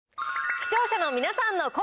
視聴者の皆さんの声。